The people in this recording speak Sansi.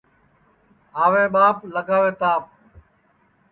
آوے ٻاپ لگاوے تاپ